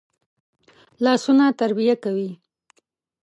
لاسونه تربیه کوي